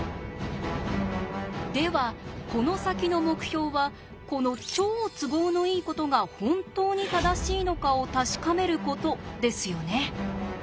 ではこの先の目標はこの超都合のいいことが本当に正しいのかを確かめることですよね。